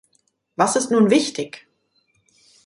Was ist nun wichtig?